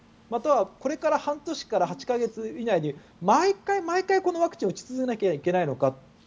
またはこれから半年から８か月以内に毎回このワクチンを打ち続けなきゃいけないのか。